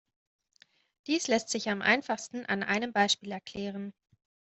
Dies lässt sich am einfachsten an einem Beispiel erklären.